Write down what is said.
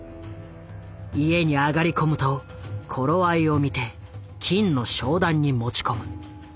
家に上がり込むと頃合いを見て金の商談に持ち込む。